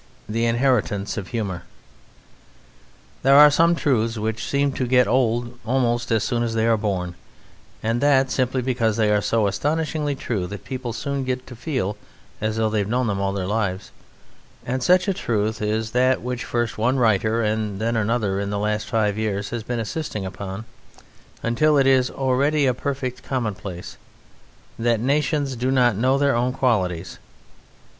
The Inheritance of Humour There are some truths which seem to get old almost as soon as they are born, and that simply because they are so astonishingly true that people soon get to feel as though they have known them all their lives; and such a truth is that which first one writer and then another in the last five years has been insisting upon, until it is already a perfect commonplace that nations do not know their own qualities.